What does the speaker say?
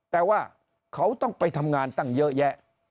แต่ว่าเขาต้องไปทำงานตั้งเยอะแยะ